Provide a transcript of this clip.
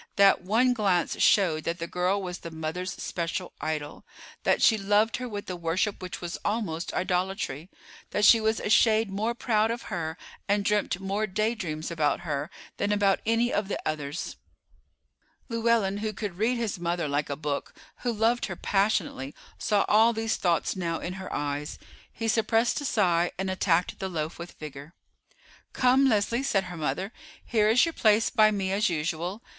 That one glance showed that the girl was the mother's special idol; that she loved her with a worship which was almost idolatry, that she was a shade more proud of her and dreamt more daydreams about her than about any of the others. Llewellyn, who could read his mother like a book, who loved her passionately, saw all these thoughts now in her eyes. He suppressed a sigh, and attacked the loaf with vigor. "Come, Leslie," said her mother, "here is your place by me as usual.